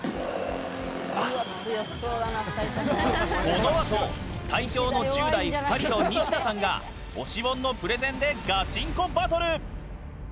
このあと最強の１０代２人とニシダさんが推し本のプレゼンでガチンコバトル！